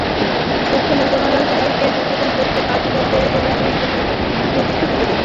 তথ্য মন্ত্রণালয় সবাইকে সচেতন করতে কাজ করবে বলেও তিনি প্রতিশ্রুতি দেন।